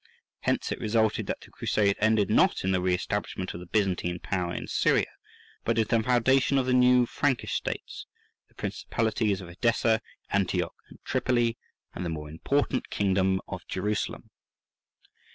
Hence it resulted that the Crusade ended not in the re establishment of the Byzantine power in Syria, but in the foundation of new Frankish states, the principalities of Edessa, Antioch, and Tripoli, and the more important kingdom of Jerusalem.